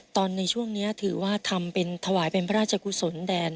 ในช่วงนี้ถือว่าทำเป็นถวายเป็นพระราชกุศลแดน